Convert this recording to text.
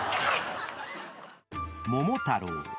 ［『桃太郎』］